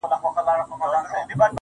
o څوک چي له گلاب سره ياري کوي.